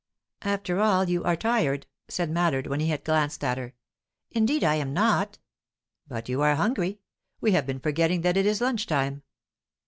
"After all, you are tired," said Mallard, when he had glanced at her. "Indeed I am not." "But you are hungry. We have been forgetting that it is luncheon time."